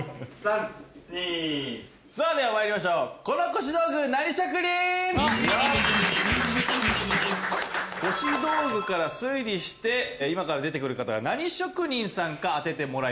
腰道具から推理して今から出てくる方が何職人さんか当ててもらいます。